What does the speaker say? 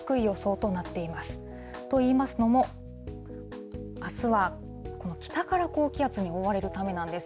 といいますのも、あすはこの北から高気圧に覆われるためなんです。